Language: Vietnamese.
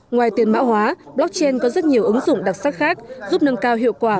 ngoài tiền mã hóa blockchain có rất nhiều ứng dụng đặc sắc khác giúp nâng cao hiệu quả